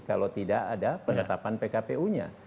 kalau tidak ada penetapan pkpu nya